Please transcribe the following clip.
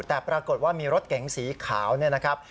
แต่ปรากฏว่ามีรถเก๋งสีขาวเนี่ยนะครับ